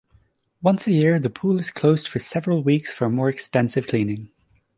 Once a year the pool is closed for several weeks for more extensive cleaning.